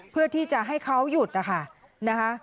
เพื่อที่จะให้เขาหยุดนะคะ